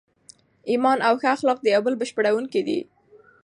ایمان او ښه اخلاق د یو بل بشپړونکي دي.